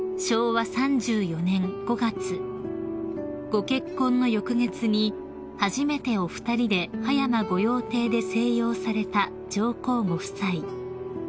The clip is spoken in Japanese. ［ご結婚の翌月に初めてお二人で葉山御用邸で静養された上皇ご夫妻］